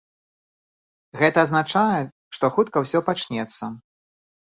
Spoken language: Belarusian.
Гэта азначае, што хутка ўсё пачнецца.